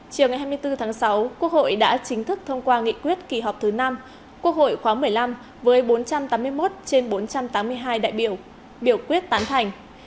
chiều ngày hai mươi bốn tháng sáu quốc hội đã chính thức thông qua nghị quyết kỳ họp thứ năm quốc hội khóa một mươi năm với bốn trăm tám mươi một trên bốn trăm tám mươi hai đại biểu biểu quyết tán thành